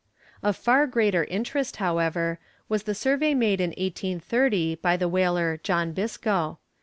Of far greater interest, however, was the survey made in 1830 by the whaler John Biscoe.